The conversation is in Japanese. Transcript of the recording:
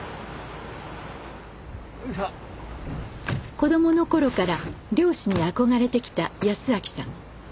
子どもの頃から漁師に憧れてきた康明さん。